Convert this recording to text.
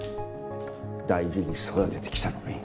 大事に育ててきたのに。